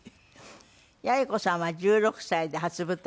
八重子さんは１６歳で初舞台。